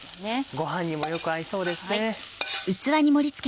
ご飯にもよく合いそうですね。